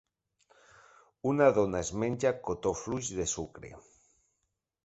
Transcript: Una dona es menja cotó fluix de sucre.